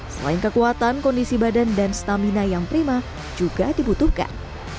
selain kekuatan kondisi badan dan stamina yang prima juga dibutuhkan